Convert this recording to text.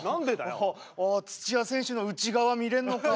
ああ土谷選手の内側見れんのか。